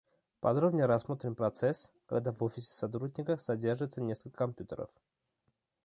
Подробнее рассмотрим процесс, когда в офисе сотрудника содержится несколько компьютеров